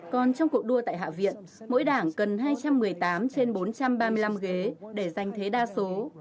còn trong cuộc đua tại hạ viện mỗi đảng cần hai trăm một mươi tám trên bốn trăm ba mươi năm ghế để giành thế đa số